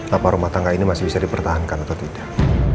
apa rumah tangga ini masih bisa dipertahankan atau tidak